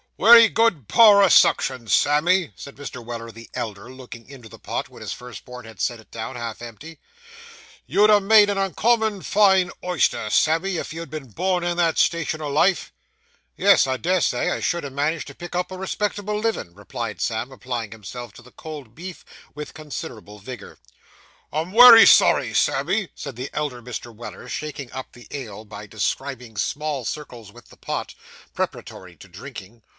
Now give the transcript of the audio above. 'Wery good power o' suction, Sammy,' said Mr. Weller the elder, looking into the pot, when his first born had set it down half empty. 'You'd ha' made an uncommon fine oyster, Sammy, if you'd been born in that station o' life.' 'Yes, I des say, I should ha' managed to pick up a respectable livin',' replied Sam applying himself to the cold beef, with considerable vigour. 'I'm wery sorry, Sammy,' said the elder Mr. Weller, shaking up the ale, by describing small circles with the pot, preparatory to drinking.